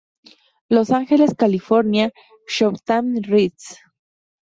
Los Ángeles, California: Showtime Redes.